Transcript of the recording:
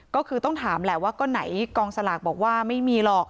ก็คือต้องถามแหละว่าก็ไหนกองสลากบอกว่าไม่มีหรอก